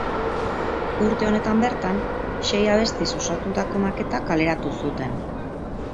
Urte honetan bertan sei abestiz osatutako maketa kaleratu zuten.